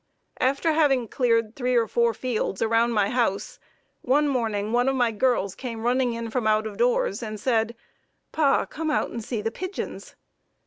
After having cleared three or four fields around my house, one morning one of my girls came running in from out of doors and said: "Pa, come out and see the pigeons."